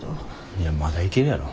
いやまだいけるやろ。